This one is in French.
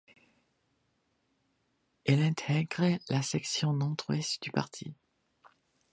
Elle intègre la section Nantes-Ouest du parti.